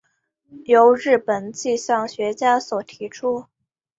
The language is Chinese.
由日本气象学家所提出。